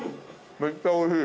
◆めっちゃおいしい。